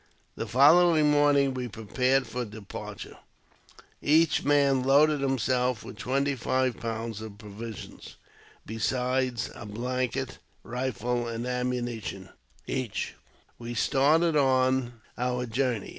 The following morning we prepared for departure. Each man loading himself with twenty five pounds of provisions, besides a blanket, rifle, and ammunition each, we started on our journey.